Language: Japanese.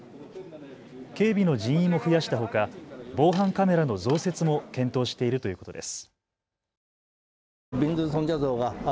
警備の人員も増やしたほか防犯カメラの増設も検討しているということです。